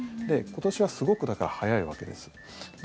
今年はすごくだから早いわけです。